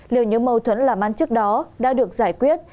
liệu những mâu thuẫn làm ăn trước đó đã được giải quyết